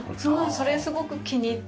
それすごく気に入って。